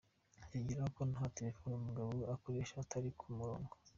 Yongeraho ko na telephone umugabo we akoresha itari ku mugorongo.